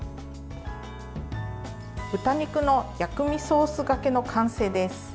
豚肉の薬味ソースがけの完成です。